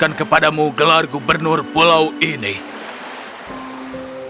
dan saya akan menerima pemberian pilihan dari pemerintah pulau ini